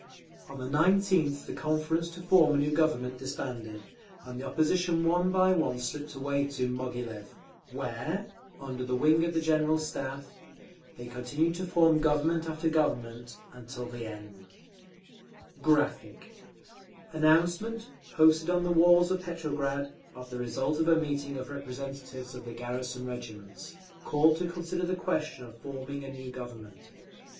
On the 19th the Conference to Form a New Government disbanded, and the opposition one by one slipped away to Moghilev, where, under the wing of the General Staff, they continued to form Government after Government, until the end…. [Graphic, page 276: Meeting announcement] Announcement, posted on the walls of Petrograd, of the result of a meeting of representatives of the garrison regiments, called to consider the question of forming a new Government.